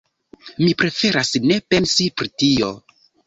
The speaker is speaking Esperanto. Mi preferas ne pensi pri tio.